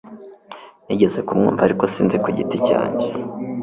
Nigeze kumwumva ariko sinzi ku giti cyanjye